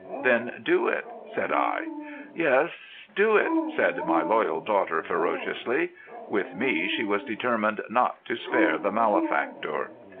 "Then do it," said I. "Yes, do it!" said my loyal daughter ferociously. With me she was determined not to spare the malefactor.